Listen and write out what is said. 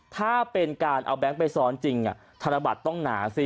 ถ้าเป็นการเอาแบงค์ไปซ้อนจริงธนบัตรต้องหนาสิ